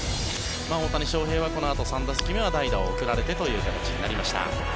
大谷翔平は、このあと３打席目は代打を送られてという形になりました。